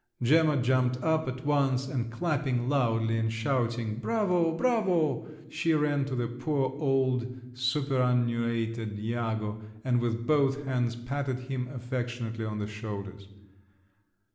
Gemma jumped up at once and clapping loudly and shouting, bravo!… bravo!… she ran to the poor old super annuated Iago and with both hands patted him affectionately on the shoulders.